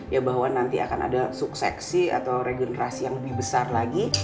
ya bahwa nanti akan ada suksesi atau regenerasi yang lebih besar lagi